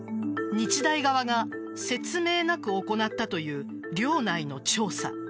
日大側が説明なく行ったという寮内の調査。